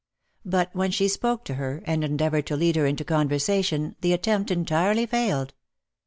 But when she spoke to her, and endeavoured to lead her into conversation, the attempt entirely failed.